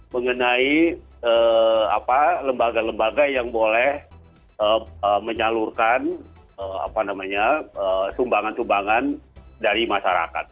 mengenai lembaga lembaga yang boleh menyalurkan sumbangan sumbangan dari masyarakat